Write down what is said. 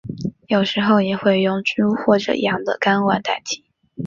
有时也会用猪或羊的睾丸代替。